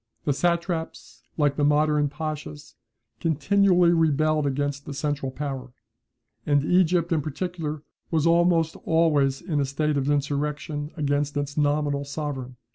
The satraps, like the modern pachas, continually rebelled against the central power, and Egypt, in particular, was almost always in a state of insurrection against its nominal sovereign.